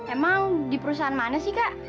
emang di perusahaan mana sih kak